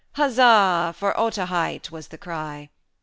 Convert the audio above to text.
"Huzza! for Otaheite!" was the cry.